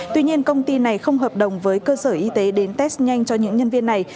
tuy nhiên công ty này không hợp đồng với cơ sở y tế đến test nhanh cho những nhân viên này